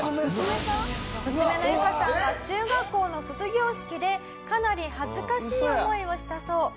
娘のユカさんは中学校の卒業式でかなり恥ずかしい思いをしたそう。